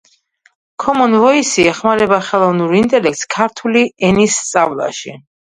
ქომონ ვოისი ეხმარება ხელოვნურ ინტელექტს ქართყლი ენის სწავლაში